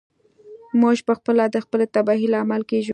موږ پخپله د خپلې تباهۍ لامل کیږو.